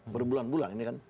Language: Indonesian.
berbulan bulan ini kan